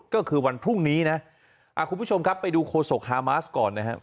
ก็คือวันพรุ่งนี้นะคุณผู้ชมครับไปดูโคศกฮามาสก่อนนะครับ